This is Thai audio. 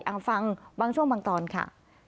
เอาฟังบางช่วงบางตอนค่ะ